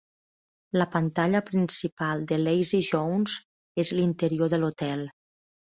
La pantalla principal de "Lazy Jones" és l'interior de l'hotel.